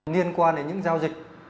liên quan đến những giao dịch